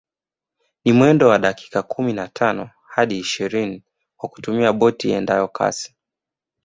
Ni mwendo wa dakika kumi na tano hadi ishirini kwa kutumia boti iendayo kasi